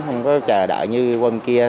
không có chờ đợi như quân kia